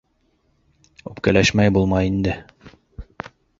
Үпкәләшмәй булмай инде.